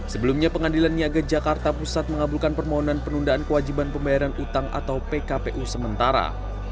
sebelumnya pengadilan niaga jakarta pusat mengabulkan permohonan penundaan kewajiban pembayaran utang atau pkpu sementara